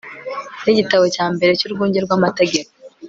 n igitabo cya mbere cy urwunge rw amategeko